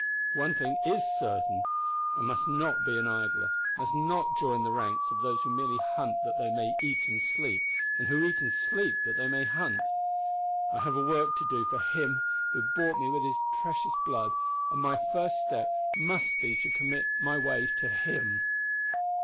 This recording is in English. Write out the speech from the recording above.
One thing is certain, I must not be an idler; must not join the ranks of those who merely hunt that they may eat and sleep, and who eat and sleep that they may hunt. I have a work to do for Him who bought me with His precious blood, and my first step must be to commit my way to Him."